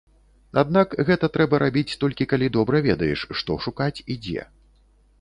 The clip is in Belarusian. Аднак, гэта трэба рабіць толькі калі добра ведаеш, што шукаць і дзе.